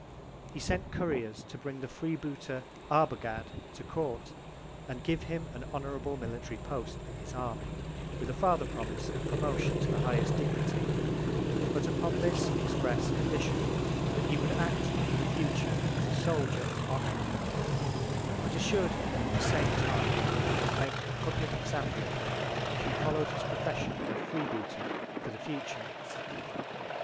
He sent Couriers to bring the Free booter Arbogad to Court, and gave him an Honourable Military Post in his Army, with a farther Promise of Promotion to the highest Dignity; but upon this express Condition, that he would act for the future as a Soldier of Honour; but assur'd him at the same Time, that he'd make a publick Example of him, if he follow'd his Profession of Free booting for the future.